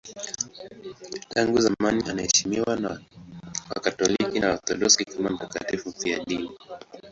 Tangu zamani anaheshimiwa na Wakatoliki na Waorthodoksi kama mtakatifu mfiadini.